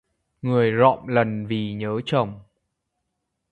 Người rọm lần vì nhớ chồng